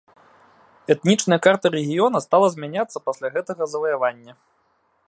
Этнічная карта рэгіёна стала змяняцца пасля гэтага заваявання.